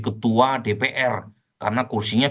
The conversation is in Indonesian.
ketua dpr karena kursinya